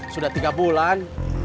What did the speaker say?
sudah tiga bulan